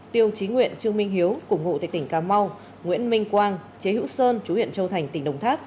tiêu chí nguyện trương minh hiếu